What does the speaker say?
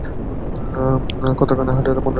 কথা কানে হাঁটে, মনে রাখিবে।